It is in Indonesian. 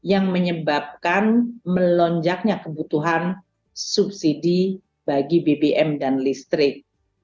yang menyebabkan melonjaknya kebutuhan subsidi bagi bbm dan listrik